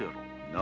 何？